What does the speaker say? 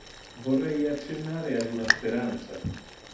Vorrei accennare ad una speranza.